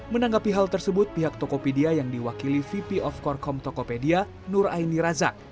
menanggapi hal tersebut pihak tokopedia yang diwakili vp of corkom tokopedia nur aini razak